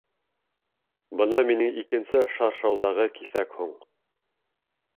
Бына минең икенсе шаршауҙағы киҫәк һуң!